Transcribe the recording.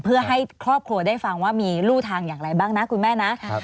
เพื่อให้ครอบครัวได้ฟังว่ามีรูทางอย่างไรบ้างนะคุณแม่นะ